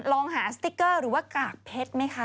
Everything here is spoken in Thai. ลองหาสติ๊กเกอร์หรือว่ากากเพชรไหมคะ